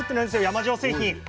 山塩製品。